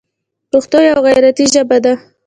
پښتو یوه غیرتي ژبه ده.